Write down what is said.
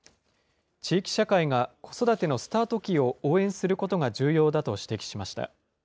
地域社会が子育てのスタート期を応援することが重要だと指摘しました。